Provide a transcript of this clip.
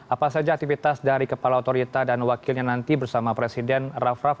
apa saja aktivitas dari kepala otorita dan wakilnya nanti bersama presiden raff raff